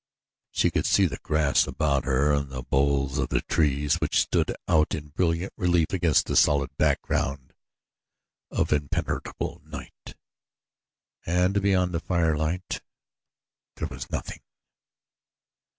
She could see the grass about her and the boles of the trees which stood out in brilliant relief against the solid background of impenetrable night, and beyond the firelight there was nothing.